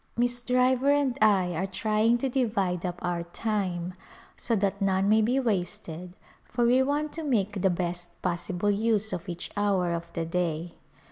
Miss Driver and I are trying to divide up our time so that none may be wasted for we want to make the best possible use of each hour of the day.